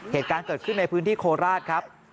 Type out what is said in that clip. เหตุการณ์เกิดขึ้นในพื้นที่โคราชครับ